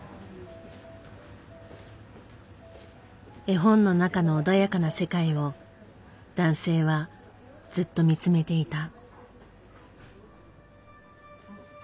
絵本の中の穏やかな世界を男性はずっと見つめていた。